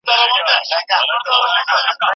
څېړونکی باید د خپلې پوهې کچه لوړه کړي.